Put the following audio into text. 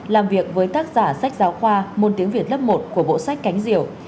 làm việc với tác giả sách giáo khoa môn tiếng việt lớp một của bộ sách cánh diều